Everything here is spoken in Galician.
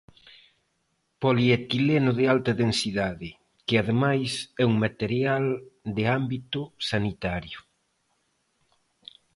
Polietileno de alta densidade, que ademais é un material de ámbito sanitario.